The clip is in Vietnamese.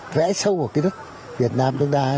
vẽ sâu vào cái đất việt nam đất đai